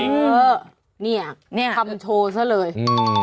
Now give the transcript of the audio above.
นี่คำโชว์ซะเลยอืมนี่อ่ะ